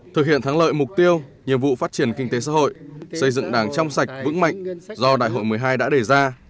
thực hiện thắng lợi mục tiêu nhiệm vụ phát triển kinh tế xã hội xây dựng đảng trong sạch vững mạnh do đại hội một mươi hai đã đề ra